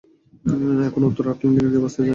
এখন উত্তর আটলান্টিকের কী অবস্থা জানেন?